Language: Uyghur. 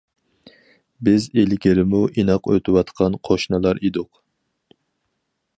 بىز ئىلگىرىمۇ ئىناق ئۆتۈۋاتقان قوشنىلار ئىدۇق.